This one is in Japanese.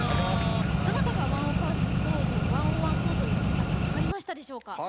どなたが「１０１」ポーズをやってたか分かりましたでしょうか。